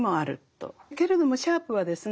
けれどもシャープはですね